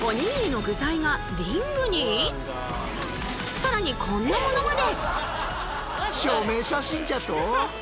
さらにこんなものまで！